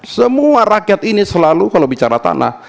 semua rakyat ini selalu kalau bicara tanah